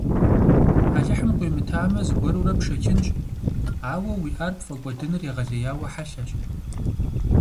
Алыхьым къуимытамэ, зыгуэрурэ пшэчынщ, ауэ уиӀар пфӀэкӀуэдыныр егъэлеяуэ хьэлъэщ.